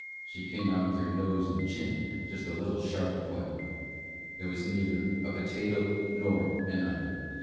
She came out with her nose and chin just a little sharper pointed. There was neither a potato nor an onion.